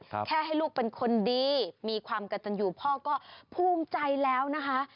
แค่ให้ลูกเป็นคนดีมีความกระตันอยู่พ่อก็ภูมิใจแล้วนะคะ